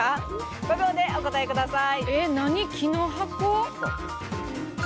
５秒でお答えください。